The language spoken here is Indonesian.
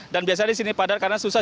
dan biasanya di sini padat karena susah